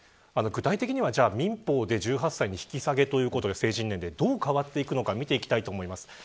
具体的には民法で１８歳に引き下げるということでどう変わっていくのか見ていきたいと思います。